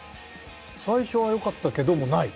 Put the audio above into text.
「最初はよかったけど」もない？